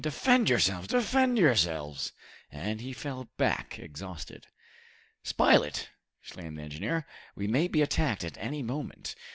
"Defend yourselves! defend yourselves!" And he fell back exhausted. "Spilett," exclaimed the engineer, "we may be attacked at any moment.